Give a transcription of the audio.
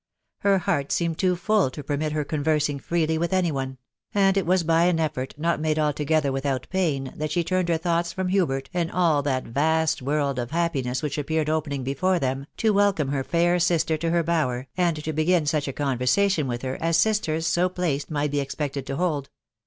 Her heart seemed too full to permit her conversing freely with any one ; and it was by an effort, not made alto gether without pain, that she turned her thoughts from Hubert, and all that vast world of happiness which appeared opening before them, to welcome her fair sister to her bower, and to begin such a conversation with her as sisters so placed might be expected to hold.